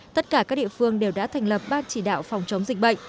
tất cả các địa phương đều đã thành lập ban chỉ đạo phòng chống dịch bệnh